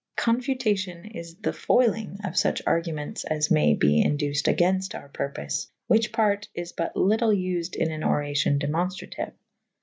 Confutacion is the foilynge of fuche argumentes as maye be induced agaynfte our purpofe / whiche parte is but lytle vfed in an oracion demonftratiue.